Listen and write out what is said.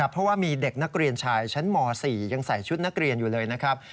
เพราะว่ามีเด็กนักเรียนชายชั้นม๔ยังใส่ชุดนักเรียนอยู่เลยนะครับ